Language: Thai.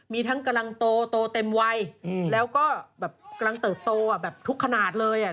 มีทั้งกำลังโตเต็มวัยแล้วก็แบบกำลังเติบโตแบบทุกขนาดเลยอ่ะ